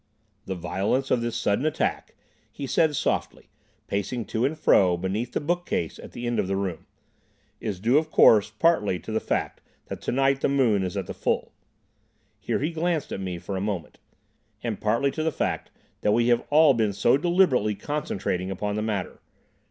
"The violence of this sudden attack," he said softly, pacing to and fro beneath the bookcase at the end of the room, "is due, of course, partly to the fact that tonight the moon is at the full"—here he glanced at me for a moment—"and partly to the fact that we have all been so deliberately concentrating upon the matter.